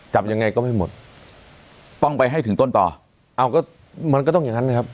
จับยังไงก็ไม่หมดต้องไปให้ถึงต้นต่อเอาก็มันก็ต้องอย่างนั้นนะครับ